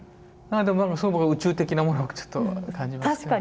何かでもすごく宇宙的なものをちょっと感じます。